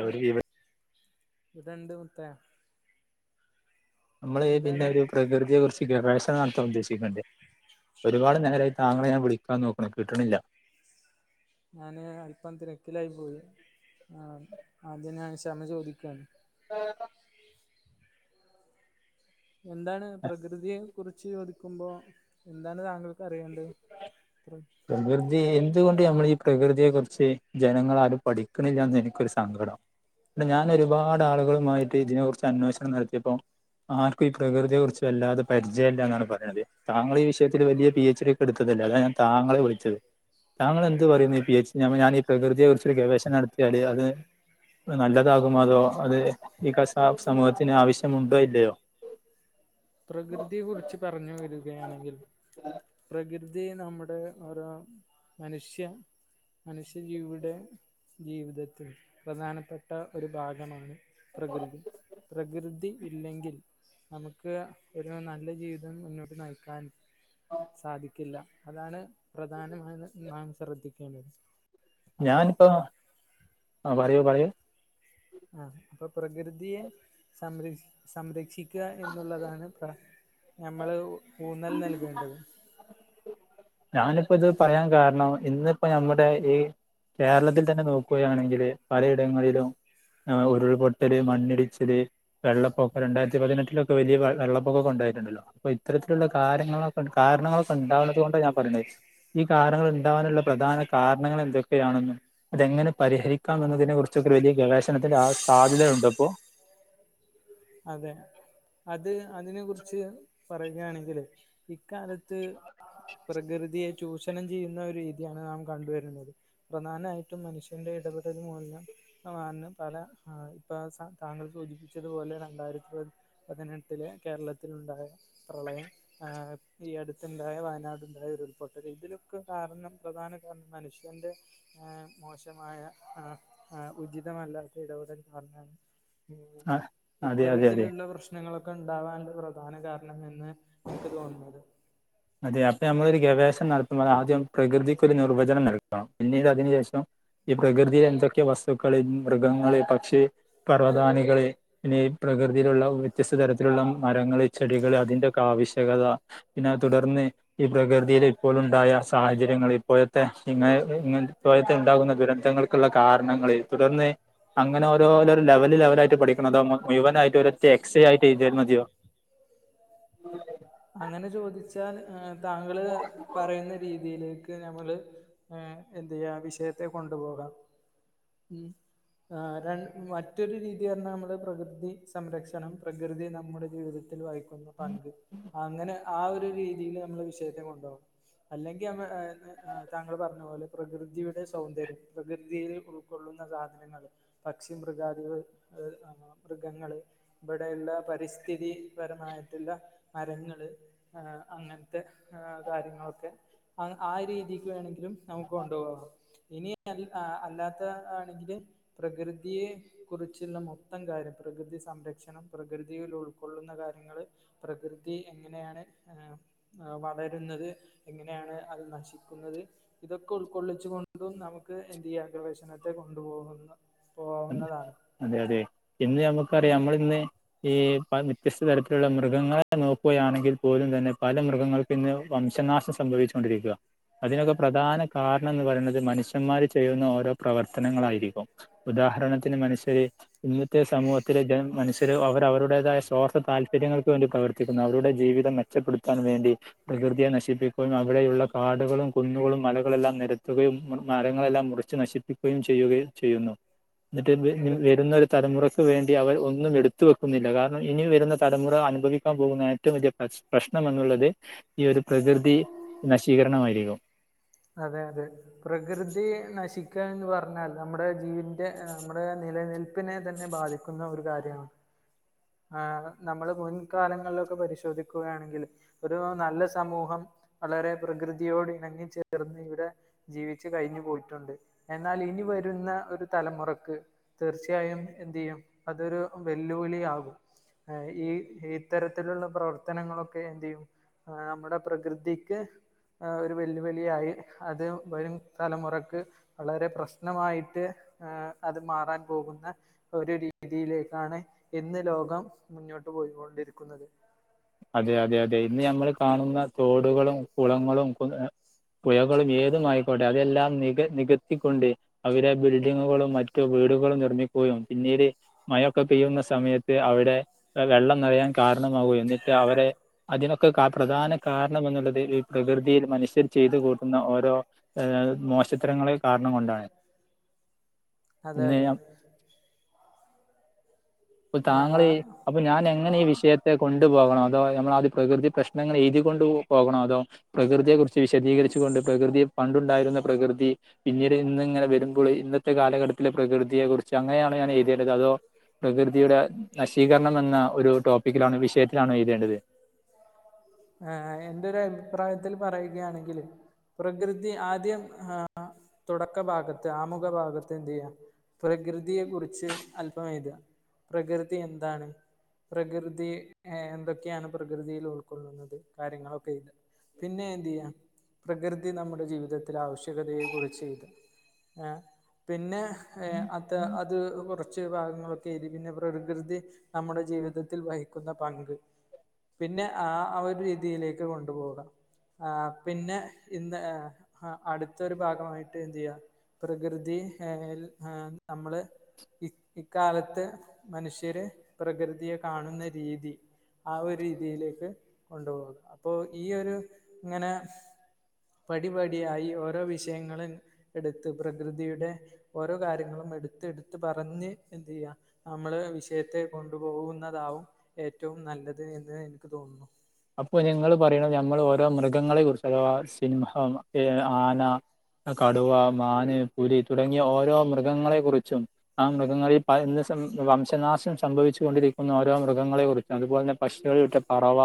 ഉം ഒരു വിവ ഇടണ്ട് മുത്തെ നമ്മള് പിന്നെ ഒരു പ്രകൃതിയെ കുർച്ച്. [unintelligible] നടത്താൻ ഉദ്ദേശിക്ണ്ട്. ഒരുപാട് നേരായി താങ്കളെ ഞാൻ വിളിക്കാൻ നോക്കുണു കിട്ട്ണില്ല. ഞാന് അല്പം തിരക്കിലായി പോയി. ആഹ് ആദ്യം ഞാൻ ക്ഷമ ചോദിക്കാണ്. [unintelligible] എന്താണ് പ്രകൃതിയെ കുറിച്ച് ചോദിക്കുമ്പോ എന്താണ് താങ്കൾക്ക് അറിയേണ്ടത്. ത്ര് പ്രകൃതി എന്തുകൊണ്ട് ഞമ്മള് ഈ പ്രകൃതിയെ കുറിച്ച് ജനങ്ങളാരും പഠിക്ണില്ലാന്ന് എനിക്കൊരു സങ്കടം ഞാൻ ഒരുപാട് ആളുകളുമായിട്ട് ഇതിനെ കുറിച്ച് അന്വേഷണം നടത്തിയപ്പം ആർക്കും ഈ പ്രകൃതിയെ കുറിച്ച് വല്ലാതെ പരിചയല്ലാന്നാണ് പറിണത്. താങ്കള് ഈ വിഷയത്തില് വലിയ പി എച്ച് ഡി ഇട്ത്തതല്ലേ അതാണ് ഞാൻ താങ്കളെ വിളിച്ചത്. താങ്കൾ എന്ത് പറയുന്നു. ഈ പി എച്ച് ഞാൻ പ്പ ഈ പ്രകൃതിയെ കുറിച്ച് ഗവേഷണം നടത്തിയാല് അത് നല്ലതാകുമോ അതോ അത് ഈ ക സമൂഹത്തിന് ആവശ്യമുണ്ടോ ഇല്ലയോ. പ്രകൃതിയെ കുറിച്ച് പറഞ്ഞു വരികയാണെങ്കിൽ പ്രകൃതി നമ്മുടെ ഓരോ മനുഷ്യൻ മനുഷ്യ ജീവിടെ ജീവിതത്തിൽ പ്രധാനപ്പെട്ട ഒരു ഭാഗമാണ് പ്രകൃതി. പ്രകൃതി ഇല്ലെങ്കിൽ നമു ക്ക് ഒരു നല്ല ജീവിതം മുന്നോട്ട് നയിക്കാൻ സാധിക്കില്ല. അതാണ് പ്രധാനമായൊന്ന് നാം ശ്രദ്ധിക്കേണ്ടത്. അപ്പോൾ ഞാനിപ്പം ആ പറയൂ പറയൂ. ആഹ് അപ്പൊ പ്രകൃതിയെ സംരഷ് സംരക്ഷിക്കുക എന്നുള്ളതാണ് പ്ര ഞമ്മള് ഊന്നൽ നൽകേണ്ടത്. ഞാനിപ്പത് പറയാൻ കാരണം ഇന്നിപ്പോ ഞമ്മുടെ ഈ കേരളത്തിൽ തന്നെ നോക്കുകയാണെങ്കിൽ പലയിടങ്ങളിലും ആഹ് ഉരുൾപൊട്ടല് മണ്ണിടിച്ചല് വെള്ളപ്പൊക്കം രണ്ടായിരത്തി പതിനെട്ടിലൊക്കെ വലിയ വെള്ളപ്പൊക്കൊക്കെ ഉണ്ടായിരു ത്ണ്ടല്ലോ അപ്പോ ഇത്തരത്തിലുള്ള കാര്യങ്ങളൊക് കാരണങ്ങളൊക്കെ ഉണ്ടാവുണതോണ്ടാ ഞ [unintelligible] ഈ കാരണങ്ങൾ ഉണ്ടാവാനുള്ള പ്രധാന കാരണങ്ങൾ എന്തൊക്കെയാണെന്നു അതെങ്ങനെ പരിഹരിക്കാം എന്നതിനെ കുറിച്ചൊക്കെ വലിയ ഗവേഷണത്തിന്റെ ആവ സാധ്യതയുണ്ടോപ്പൊ. അതെ അത് അതിനെ കുറിച്ച് പറയുകയാണെങ്കില് ഇക്കാലത്ത് പ്രകൃതിയെ ചൂഷണം ചെയ്യുന്ന ഒരു രീതിയാണ് നാം കണ്ടുവരുന്നത്. പ്രധാനായിട്ടും മനുഷ്യന്റെ ഇടപെടൽ മൊഴിഞ്ഞ [unintelligible] പല ആഹ് ഇപ്പ സ താങ്കൾ സൂചിപ്പിച്ചതുപോലെ രണ്ടായിരത്തി പ പതിനെട്ടിലെ കേരളത്തിലുണ്ടായ പ്രളയം ആഹ് ഈ അടുത്തുണ്ടായ വയനാട്ണ്ടായ ഉരുൾപൊട്ടല് ഇതിലൊക്കെ കാരണം പ്രധാന മനുഷ്യന്റെ ഏഹ് മോശമായ ഏഹ് ഏഹ് ഉചിതമല്ലാത്ത ഇടപെടൽ [unintelligible] [inaudible] അതെ അതെ ഇത്തരത്തിലുള്ള പ്രശ്നങ്ങളൊക്കെ ഇണ്ടാവാനുള്ള പ്രധാന കാരണം എന്ന് എനിക്ക് തോന്നണത് അതെ അപ്പ നമ്മളൊരു ഗവേഷണം നടത്തുമ്പോ ആദ്യം പ്രകൃതിക്കൊരു നിർവചനം നടക്കണം പിന്നീട് അതിനു ശേഷം ഈ പ്രകൃതീല് എന്തൊക്കെ വസ്തുക്കള് മൃഗങ്ങള് പക്ഷി പറവതാനികള് പിന്നെ ഈ പ്രകൃതിയിലുള്ള വ്യത്യസ്ത തരത്തിലുള്ള മരങ്ങള് ചെടികള് അതിന്റെയൊക്കെ ആവശ്യകത പിന്നെ അത് തുടർന്ന് ഈ പ്രകൃതിയിൽ ഇപ്പോളുണ്ടായ സാഹചര്യങ്ങൾ ഇപ്പോഴത്തെ ഇങ്ങ ഇങ്ങനെപ്പോലത്തെ ഉണ്ടാകുന്ന ദുരന്തങ്ങൾ ക്കുള്ള കാരണങ്ങൾ തുടർന്ന് അങ്ങനെ ഓരോരോ ലെവല് ലെവലായിട്ട് പഠിക്കണോ അതോ മുഴുവനായിട്ട് ഒരറ്റ എക്സെയായിട്ട് എയ്തിയാ മതിയോ അങ്ങനെ ചോദിച്ചാൽ താങ്കള് പറയുന്ന രീതിയിലേക്ക് ഞമ്മള് എ എന്തയ്യാ വിഷയത്തെ കൊണ്ടുപോകാം ഉം ആ രണ്ട് മറ്റൊരു രീതി പറഞ്ഞാ നമ്മൾ പ്രകൃതി സംരക്ഷണം പ്രകൃതി നമ്മുടെ ജീവിതത്തിൽ വായിക്കും ക്കുന്ന പങ്ക് അങ്ങനെ ആ ഒരു രീതീല് നമ്മള് വിഷയത്തെ കൊണ്ടോകും അല്ലെങ്കി നമ്മ താങ്കൾ പറഞ്ഞ പോലെ പ്രകൃതിയുടെ സൗന്ദര്യം പ്രകൃതിയിൽ ഉൾക്കൊള്ളുന്ന കാ ര്യങ്ങള് പക്ഷി മൃഗാതികൾ [unintelligible] മൃഗങ്ങള് ഇബടെയുള്ള പരിസ്ഥിതിപരമായിട്ടുള്ള മരങ്ങള് ആ അങ്ങൻത്തെ ആ കാര്യങ്ങളൊക്കെ ആ ആരീതിക്ക് വേണെങ്കി ലും നമുക്ക് കൊണ്ടുപോവാം ഇനി അത് അല്ലാത്ത ആണെങ്കില് പ്രകൃതിയെ കുറിച്ചുള്ള മൊത്തം കാര്യം പ്രകൃതി സംരക്ഷണം പ്രകൃതിയിലുൾ കൊള്ളുന്ന കാര്യങ്ങള് പ്രകൃതി എങ്ങനെയാണ് എ വളരുന്നത് എങ്ങനെയാണ് അത് നശിക്കുന്നത് ഇതൊക്കെ ഉൾക്കൊള്ളിച്ചു കൊണ്ടും നമുക്ക് എന്തയ്യാ ഗവേശണത്തെ കൊണ്ടുപോകുന്ന പോവുന്നതാണ് അതെ അതെ ഇന്ന് നമുക്കറിയാം നമ്മള്ന്ന് ഈ പ വ്യത്യസ്ത തരത്തിലുള്ള മൃഗങ്ങളെ നോക്കുകയാണെങ്കിൽ പോലും തന്നെ പല മൃഗങ്ങൾക്ക ഇന്ന് വംശനാശം സംഭവിച്ചു കൊണ്ടിരിക്ക അതിനൊക്കെ പ്രധാന കാരണംന്ന് പറയുന്നത് മനുഷ്യന്മാര് ചെയ്യുന്ന ഓരോ പ്രവർത്തനങ്ങളായിരിക്കും ഉദാഹരണത്തിന് മനുഷ്യരെ ഇന്നത്തെ സമൂഹത്തിലെ ജന മനുഷ്യർ അവര് അവരുടേതായ സ്വാർത്ഥ താൽപര്യങ്ങൾക്ക് വേണ്ടി പ്രവർത്തിക്കുന്നു അവരുടെ ജീവിതങ്ങ മെച്ചപ്പെടുത്താൻ വേണ്ടി പ്രകൃതിയെ നശിപ്പിക്കുന്നു അവിടെയുള്ള കാടുകളും കുന്നുകളും മലകളെല്ലാം നരത്തുകയും മരങ്ങളെല്ലാം മുറിച് ച്ച് നശിപ്പിക്കുകയും ചെയ്യുകയും ചെയ്യുന്നു എന്നിട്ട്ന്ന് അതെ വരുന്ന തലമുറയ്ക്ക് വേണ്ടി അവർ ഒന്നും എടുത്ത് വെക്കുന്നില്ല കാരണം ഇനി വരുന്ന തലമുറ അനുഭവിക്കാൻ പോകുന്ന ഏറ്റവും വലിയ പ്രശ പ്രശ്നം എന്നുള്ളത് ഈ ഒരു പ്രകൃതി നശീകരണമായിരിക്കും അതെ അതെ പ്രകൃതി നശിക്കാ എന്ന് പറഞ്ഞാൽ നമ്മുടെ ജീവിന്റെ നമ്മുടെ നിലനിൽപ്പിനെ തന്നെ ബാധിക്കും ക്കുന്ന ഒരു കാര്യമാണ് ആ ന നമ്മള് മുൻകാലങ്ങളിലൊക്കെ പരിശോധിക്കുകയാണെങ്കിൽ ഒരു നല്ല സമൂഹം വളരെ പ്രകൃതിയോട് ഇണങ്ങി ചേർന്ന് ഇവിടെ ജീവിച്ചു കഴിഞ്ഞു പോയിട്ടുണ്ട് എന്നാൽ ഇനി വരുന്ന ഒരു തലമുറക്ക്. തീർച്ചയായും എന്ത് ചെയ്യും അതൊരു വെല്ലുവിളി ആകും. ഈ ഇത്തരത്തിലുള്ള പ്രവർത്തനങ്ങളൊക്കെ എന്തിയ്യും. ആ നമ്മടെ പ്രകൃതിക്ക് ആ ഒരു വെല്ലുവിളിയായി അത് വരും തലമുറക്ക് വളരെ പ്രശ്നമായിട്ട് ഏ അത് മാറാൻ പോകുന്ന ഒരു രീതിയിലേക്കാണ് ഇന്ന് ലോകം മുന്നോട്ട് പോയികൊണ്ടിരിക്കുന്നത് അതെ അതെ അതെ ഇന്ന് നമ്മൾ കാണുന്ന തോടുകളും കുളങ്ങളും പുഴകളും ഏതും ആയിക്കോട്ടെ അതെല്ലാം നിക നികത്തിക്കൊണ്ട് അവര് ബിൽഡിങ്ങുകളും മറ്റു വീടുകളും നിർമ്മിക്കുകയും പിന്നീട് മയൊക്കെ പെയ്യുന്ന സമയത്ത് അവിടെ വെള്ളം നിറയാൻ കാരണമാകുകയും എന്നിട്ട് അവരെ അതിനൊക്കെ കാ പ്രധാന കാരണമെന്നുള്ളത് ഈ പ്രകൃതിയിൽ മനുഷ്യൻ ചെയ്ത് കൂട്ടുന്ന ഓരോ ഏഹ് മോശത്തരങ്ങള് കാരണം കൊണ്ടാണ് അതെ അതെ ഇന്ന് പ്പൊ താങ്ങളീ ആഹ് പ്പം ഞാനെങ്ങനെ ഈ വിഷയത്തെ കൊണ്ട് പോകണോ അതോ നമ്മളാദ്യം പ്രകൃതി പ്രശ്നങ്ങൾ എഴുതി കൊണ്ട് പോകണോ അതോ പ്രകൃതിയെ കുറിച്ച് വിശദീകരിച്ച് കൊണ്ട് പ്രകൃതി പണ്ടുണ്ടായിരുന്ന പ്രകൃതി പിന്നീട് ഇന്ന് ഇങ്ങനെ വര്മ്പോള് ഇന്നത്തെ കാലഘട്ടത്തിലെ പ്രകൃതിയെ കുറിച്ച് അങ്ങനെയാണോ ഞാനെഴ്തേണ്ടത് അതോ പ്രകൃതിയുടെ നശീകരണം എന്ന ഒരു ടോപ്പിക്കിലാണ് വിഷയത്തിലാണൊ എഴ്തേണ്ടത്? ആഹ് എന്റെ ഒരഭിപ്രായത്തിൽ പറയുകയാണെങ്കില് പ്രകൃതി ആദ്യം ആഹ് തുടക്ക ഭാഗത്ത് ആമുഖ ഭാഗത്ത് എന്തെയ്യാ പ്രകൃതിയെ കുറിച്ച് അല്പം എഴ്താ പ്രകൃതി എന്താണ് പ്രകൃതി ഏഹ് എന്തൊക്കെയാണ് പ്രകൃതിയിലുൾക്കൊള്ളുന്നത് കാര്യങ്ങളൊക്കെ എഴ്താ പിന്നെ എന്തെയ്യാ പ്രകൃതി നമ്മുടെ ജീവിതത്തിലെ ആവശ്യകതയെ കുറിച്ച് എഴ്താ ഏഹ് പിന്നെ ഏഹ് അ ത് അത് കുറച്ച് ഭാഗങ്ങളൊക്കെ എഴ്തി പിന്നെ പ്രകൃതി നമ്മുടെ ജീവിതത്തിൽ വഹിക്കുന്ന പങ്ക് പിന്നെ ആഹ് ആ ഒര് രീതിയിലേക്ക് കൊണ്ട് പോകാ ആഹ് പിന്നെ ഇന്ന് ഏഹ് അട്ത്തൊരു ഭാഗമായിട്ട് എന്തെയ്യാ പ്രകൃതി ഏഹ് ൽ ഏഹ് നമ്മള് ഇ ഇക്കാലത്ത് മനുഷ്യര് പ്രകൃതിയെ കാണുന്ന രീതി ആ ഒരു രീതിയിലേക്ക് കൊണ്ട്പോക അപ്പൊ ഈ ഒരു ങ്ങനെ പടിപടിയായി ഓരോ വിഷയങ്ങള് എട്ത്ത് പ്രകൃതിയുടെ ഓരോ കാര്യങ്ങളും എട്ത്തെട്ത്ത് പറഞ്ഞ് എന്തെയ്യാ നമ്മള് വിഷയത്തെ കൊണ്ടുപോവുന്നതാവും ഏറ്റവും നല്ലത് എന്ന് ഇൻക്ക് തോന്നുന്നു. അപ്പൊ നിങ്ങള് പറയ്ണത് ഞമ്മള് ഓരോ മൃഗങ്ങളെ കുറിച്ച് അഥവാ സിംഹം ഏഹ് ആനാ കടുവാ, മാന്, പുലി തുടങ്ങിയ ഓരോ മൃഗങ്ങളെ കുറിച്ചും ആഹ് മൃഗങ്ങളിൽ പല ഇന്ന് സം വംശനാശം ശംഭവിച്ചു കൊണ്ടിരിക്കുന്ന ഓരോ മൃഗങ്ങളെ കുറി അത്പോലെ തന്നെ പക്ഷികളിൽട്ടെ പറവ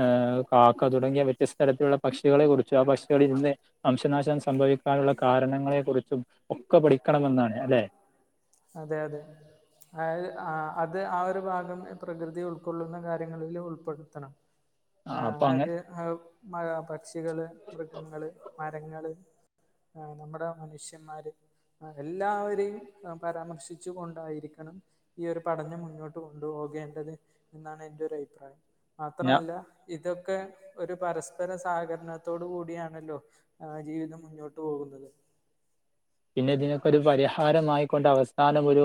ഏഹ് കാക്ക തുടങ്ങിയ വ്യത്യസ്തരത്തിലുള്ള പക്ഷികളെ കുറി ച്ചും ആ പക്ഷികളിന്ന് വംശനാശം സംഭവിക്കാന്ള്ള കാരണങ്ങളെ കുറിച്ചും ഒക്കെ പഠിക്കണമന്നാണ് അല്ലേ അതെ അതെ അതായത് ആഹ് അത് ആ ഒരു ഭാഗം പ്രകൃതി ഉൾക്കൊള്ളുന്ന കാര്യങ്ങളില് ഉൾപ്പെടുത്തണം ആഹ് അപ്പൊ അങ്ങനെ അത് മഴു മഴ പക്ഷികള്, മൃഗങ്ങള്, മരങ്ങള് ആഹ് നമ്മ്ടെ മനുഷ്യമ്മാര് ആഹ് എല്ലാവരേയും പരാമർശിച്ചു കൊണ്ടായിരിക്കണം ഈ ഒരു പഠനം മുന്നോട്ട് കൊണ്ട് പോകേണ്ടത് എന്നാണ് എന്റെ ഒരയ്ഭിപ്രായം ഞാൻ മാത്രല്ലാ ഇതൊക്കെ ഒരു പരസ്പര സഹകരണത്തോട് കൂടിയാണല്ലോ ആഹ് ജീവിതം മുന്നോട്ട് പോകുന്നത് പിന്നെ ഇതിനൊക്കാെരു പരിഹാരമായിക്കൊണ്ട് അവസാനം ഒരൂ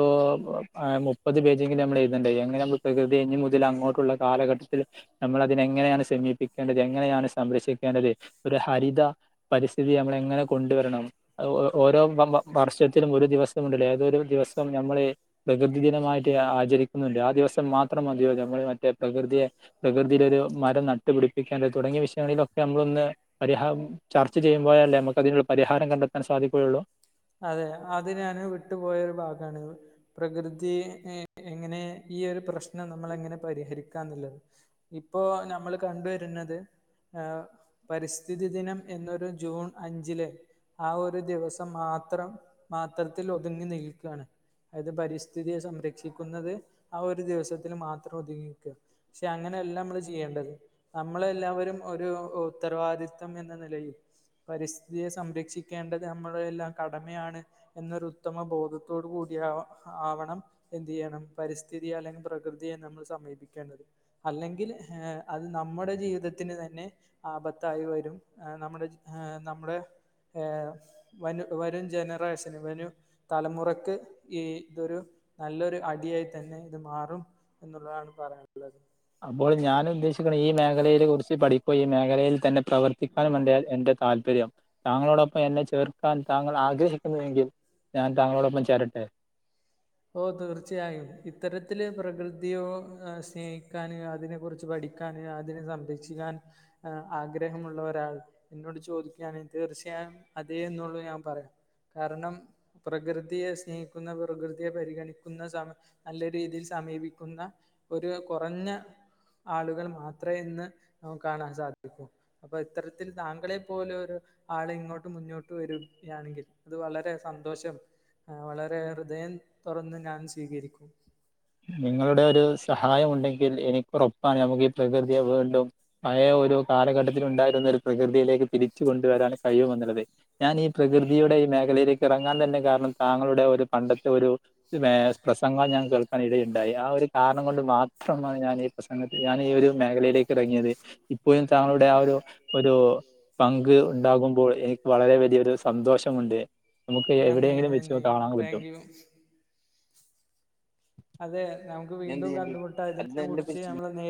ഏഹ് മുപ്പത് പേജെങ്കിലും ഞമ്മളെഴ്തണ്ടേ എങ്ങനെമ്മ പ്രകൃതിയെ ഇനി മുതലങ്ങോട്ടുള്ള കാലഘട്ടത്ത്ല് നമ്മളതിനെ എങ്ങനെയാണ് സെമീപിക്കേണ്ടത് എങ്ങനെയാണ് സംരക്ഷിക്കേണ്ടത് ഒര് ഹരിതാ പരിസ്ഥിതി നമ്മളെങ്ങനെ കൊണ്ട്വരണം അത് ഓ ഓരോ വ മ വർഷത്തിലും ഒരു ദിവസം ഉണ്ട്ലേ ഏതൊ ഒരു ദിവസം ഞമ്മള് പ്രകൃതി ദിനമായിട്ട് ആചരിക്ക്ന്ന്ണ്ട് ആ ദിവസം മാത്രം മതിയോ ഇതോ പോലെ മറ്റേ പ്രകൃതിയെ പ്രകൃതിയിലൊരു മരം നട്ട്പിടിപ്പിക്കേണ്ടത് തുടങ്ങിയ വിഷയങ്ങളിലൊക്കെ നമ്മളൊന്ന് പരിഹാം ചർച്ച ചെയ്യുമ്പോയല്ലേ നമ്ക്ക് അതിന്ൾ പരിഹാരം കണ്ടെത്താൻ സാധിക്കുകയുള്ളൂ അതെ അത് ഞാന് വിട്ട്പോയൊരു ഭാഗാണ് പ്രകൃതി ഏഹ് എങ്ങനെ ഈ ഒര് പ്രശ്നം നമ്മളെങ്ങനെ പരിഹരിക്കാന്ന്ള്ളത് ഇപ്പോ നമ്മൾ കണ്ട് വരുന്നത് ആഹ് പരിസ്ഥിതി ദിനം എന്നൊരു ജൂൺ അഞ്ചില് ആ ഒരു ദിവസം മാത്രം മാത്രത്തിൽ ഒതുങ്ങി നിൽക്കാണ് അയത് പരിസ്ഥിതിയെ സംരക്ഷിക്കുന്നത് ആ ഒരു ദിവസത്തിൽ മാത്രം ഒതുങ്ങിക്കാ പക്ഷെ അങ്ങനെല്ലമ്മള് ചെയ്യേണ്ടത് നമ്മളെല്ലാവരും ഒരു ഉത്തരവാദിത്വം എന്ന നിലയിൽ പരിസ്ഥിതിയെ സംരക്ഷിക്കേണ്ടത് നമ്മളെല്ലാം കടമയാണ് എന്നൊരു ഉത്തമ ബോധത്തോടു കൂടി ആവ ആവണം എന്ത് ചെയ്യണം പരിസ്ഥിതിയെ അല്ലെങ്കിൽ പ്രകൃതിയെ നമ്മൾ സമീപിക്കേണ്ടത് അല്ലെങ്കിൽ ഏ അത് നമ്മുടെ ജീവിതത്തിന് തന്നെ ആപത്തായി വരും ഏ നമ്മുടെ ഏ നമ്മുടെ ഏ വനു വരും ജനറേഷന് വനു തലമുറക്ക് ഈ തൊരു നല്ലൊരു അടിയായി തന്നെ ഇത് മാറും എന്നുള്ളതാണ് പറയാനുള്ളത് അപ്പോൾ ഞാൻ ഉദ്ദേശിക്ക്ണെ ഈ മേഖലയില് കുറിച്ച് പഠിക്കോ ഈ മേഖലയിൽ തന്നെ പ്രവർത്തിക്കാനും മുണ്ടേ എന്റെ താൽപര്യം താങളോടൊപ്പം എന്നെ ചേർക്കാൻ താങ്ങൾ ആഗ്രഹിക്കുന്നുവെങ്കിൽ ഞാൻ താങ്ങളോടൊപ്പം ചേരട്ടെ ഓ തീർച്ചയായും ഇത്തരത്തില് പ്രകൃതിയോ ഏ സ്നേഹിക്കാന് അതിനെ കുറിച്ച് പഠിക്ക പഠിക്കാൻ അതിനെ സംരക്ഷിക്കാൻ ആഗ്രഹമുള്ള ഒരാൾ എന്നോട് ചോദിക്കാണെങ്കിതീർച്ചയായും അതേ എന്നുള്ളൂ ഞാൻ പറയ കാരണം പ്രകൃതിയെ സ്നേഹിക്കുന്ന പ്രകൃ പ്രകൃതിയെ പരിഗണിക്കുന്ന സമ നല്ല രീതിയിൽ സമീപിക്കുന്ന ഒരു കുറഞ്ഞ ആളുകൾ മാത്രേ ഇന്ന് നമുക്കാണാൻ സാധിക്കൂ അപ്പൊ ഇത്തരത്തിൽ താങ്കളെ പോലൊരു ആള് ഇങ്ങോട്ട് മുന്നോട്ട് വരു കയാണെങ്കിൽ അത് വളരെ സന്തോഷം ആഹ് വളരെ ഹൃദയം തുറന്ന് ഞാൻ സ്വീകരിക്കും നിങ്ങളുടെ ഒരൂ സഹായം ഉണ്ടെങ്കിൽ എനിക്ക് ഉറപ്പാണ് നമുക്ക് ഈ പ്രകൃതിയെ വീണ്ടും പയെ ഒരു കാലഘട്ടത്തിൽ ഉണ്ടായിരുന്ന ഒരു പ്രകൃതിയിലേക്ക് തിരിച്ചു കൊണ്ടുവരാൻ കഴിയുമെന്നുള്ളത് ഞാൻ ഈ പ്രകൃതിയുടെ ഈ മേഖലയിലേക്ക് ഇറങ്ങാൻ തന്നെ കാരണം താങ്ങളുടെ ഒരു പണ്ടത്തെ ഒരു ഒരു പ്രസംഗം ഞാൻ കേൾക്കാ ക്കാനിടയുകയുണ്ടായി ആ ഒരു കാരണം കൊണ്ട് മാത്ര മാണ് ഞാൻ ഈ പ്രസംഗത്തില് ഞാൻ ഈ ഒരു മേഖലയിലേക്ക്റങ്ങിയത് ഇപ്പൊഴും താങ്കുടെ ആ ഒരു ഒരൂ പങ്ക് ഉണ്ടാകുമ്പോൾ എനിക്ക് വളരെ വലിയൊരു സ സന്തോഷമുണ്ട് നമുക്ക് നന്ദി എവിടെയെങ്കിലും വെച്ച് നന്ദി. കാണാൻ പറ്റൊ താങ്ക് യു. അതെ നമുക്ക് പിന്നെന്ത് വീണ്ടും ചെയ്യണ്ട്? കണ്ടു മുട്ടാ ഇതിനെ കുറിച്ച് അതിനെന്നെ നമ്മള് നേരിട്ട്